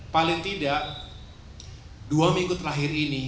paling tidak dua minggu terakhir ini